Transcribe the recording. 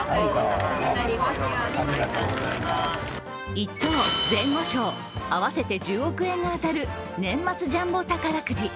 １等、前後賞合わせて１０億円が当たる宇年末ジャンボ宝くじ。